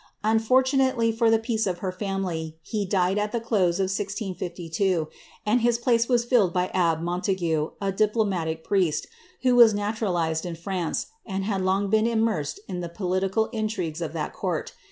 Unfortunately for the peace of her family, he died at the close of 1652, and his place was filled by abb^ MonUigue, a diplomatic priest, who was naturalized in France, and had long been immersed in the political intrigues of that court.